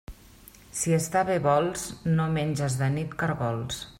Si estar bé vols, no menges de nit caragols.